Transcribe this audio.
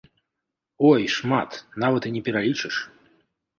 Ой, шмат, нават і не пералічыш!